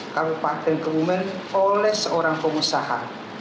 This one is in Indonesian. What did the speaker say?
kabupaten kebumen oleh seorang pengusaha